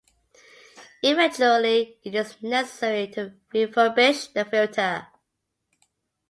Eventually, it is necessary to refurbish the filter.